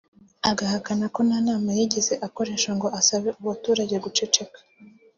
agahakana ko nta nama yigeze akoresha ngo asabe abaturage guceceka